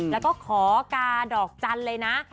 แล้วก็ขอกาดอกจันทร์เลยนะ